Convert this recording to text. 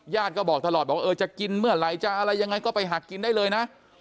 ญาติก็บอกตลอดว่าจะกินเมื่อไรจะอะไรยังงั้นก็ไปหักกินได้เลยนะ